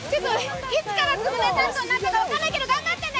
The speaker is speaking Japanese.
いつからずぶぬれ担当になったか分からないけど、頑張ってね。